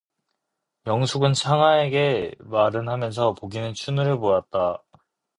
영숙은 창하에게 말은 하면서 보기는 춘우를 보았다.